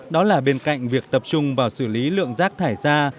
đó là bên cạnh việc tập trung vào xử lý lượng rác thải ra